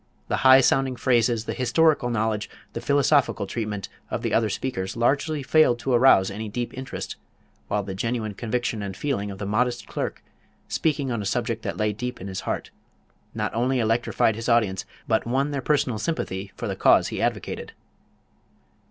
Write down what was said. The high sounding phrases, the historical knowledge, the philosophical treatment, of the other speakers largely failed to arouse any deep interest, while the genuine conviction and feeling of the modest clerk, speaking on a subject that lay deep in his heart, not only electrified his audience but won their personal sympathy for the cause he advocated.